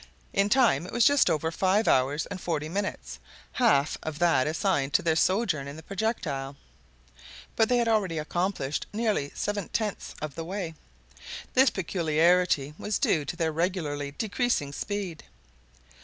In time it was just over five hours and forty minutes, half of that assigned to their sojourn in the projectile; but they had already accomplished nearly seven tenths of the way. This peculiarity was due to their regularly decreasing speed.